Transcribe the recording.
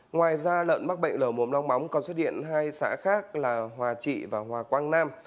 ngoài ra lợn mắc bệnh lở mồm long móng còn xuất hiện hai xã khác là hòa trị và hòa quang nam